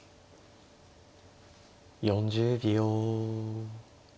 ４０秒。